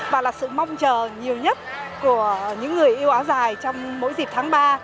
và là sự mong chờ nhiều nhất của những người yêu áo dài trong mỗi dịp tháng ba